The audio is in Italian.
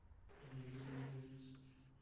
In the Good Old Days